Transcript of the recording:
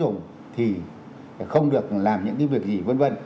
có người chưa tiêm chủng thì không được làm những cái việc gì vân vân